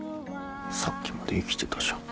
さっきまで生きてたじゃん。